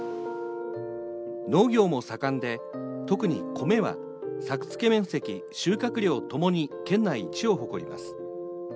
農業も盛んで、特に米は作付面積収穫量ともに県内一を誇ります。